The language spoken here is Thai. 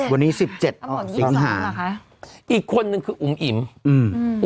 วันนี้สิบเจ็ดอ๋อสิบสามอีกคนนึงคืออุมอิมอืม